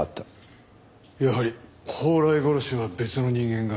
やはり宝来殺しは別の人間が。